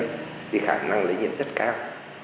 thì khả năng nơi nhiễm rất cao